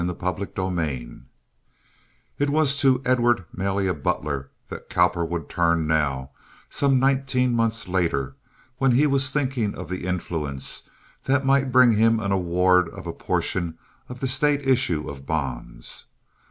Chapter XII It was to Edward Malia Butler that Cowperwood turned now, some nineteen months later when he was thinking of the influence that might bring him an award of a portion of the State issue of bonds.